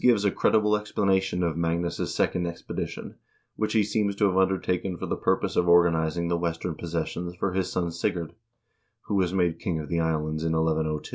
308 HISTORY OF THE NORWEGIAN PEOPLE a credible explanation of Magnus' second expedition, which he seems to have undertaken for the purpose of organizing the western possessions for his son Sigurd, who was made " king of the Islands " in 1102.